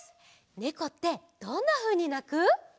ねこってどんなふうになく？